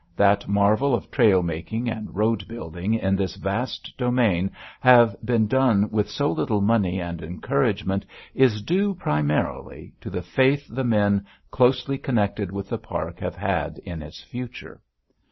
That marvels of trail making and road building in this vast domain have been done with so little money and encouragement is due, primarily, to the faith the men closely connected with the park have had in its future.